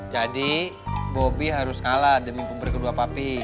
jadi bobby harus kalah demi hubur kedua papi